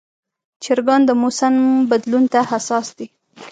چرګان د موسم بدلون ته حساس دي.